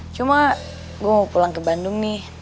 cuman gue mau pulang ke bandung nih